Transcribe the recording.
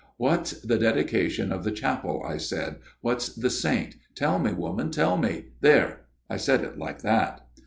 "' What's the dedication of the chapel,' I said. ' What's the saint ? Tell me, woman, tell me !' There ! I said it like that.